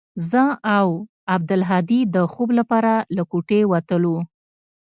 زه او عبدالهادي د خوب لپاره له كوټې وتلو.